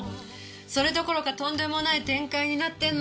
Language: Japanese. それどころかとんでもない展開になってんの。